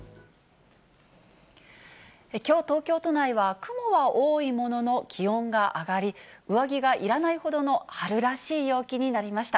きょう、東京都内は雲は多いものの、気温が上がり、上着がいらないほどの春らしい陽気になりました。